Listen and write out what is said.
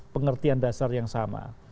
pengertian dasar yang sama